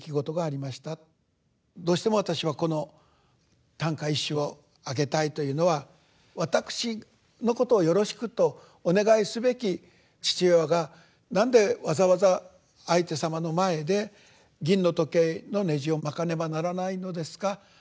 どうしても私はこの短歌一首を挙げたいというのはわたくしのことをよろしくとお願いすべき父親が何でわざわざ相手様の前で銀の時計のねじを捲かねばならないのですか。